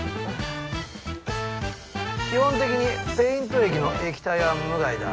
基本的にペイント液の液体は無害だ。